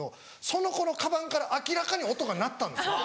その子のカバンから明らかに音が鳴ったんですよ。